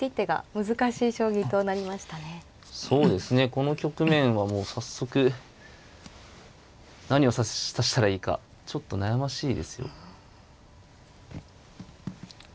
この局面はもう早速何を指したらいいかちょっと悩ましいですよ。